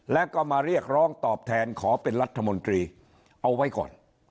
แล้วก็มาเรียกร้องตอบแทนขอเป็นรัฐมนตรีเอาไว้ก่อน